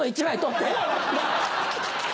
１枚取って！